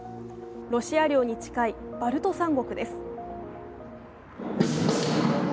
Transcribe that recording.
ロシア領に近いバルト三国です。